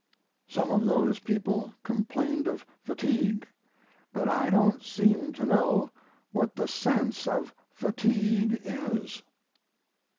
Some of those people complained of fatigue, but I don't seem to know what the sense of fatigue is.